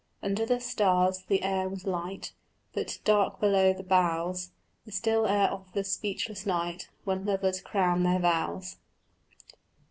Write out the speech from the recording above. Under the stars the air was light But dark below the boughs, The still air of the speechless night, When lovers crown their vows.